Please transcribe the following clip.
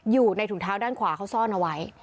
อยู่ในถุงเท้าด้านขวาเขาซ่อนเอาไว้